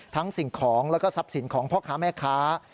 สิ่งของแล้วก็ทรัพย์สินของพ่อค้าแม่ค้า